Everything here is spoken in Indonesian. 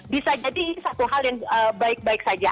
bisa jadi ini satu hal yang baik baik saja